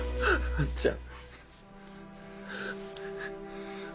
あっちゃん。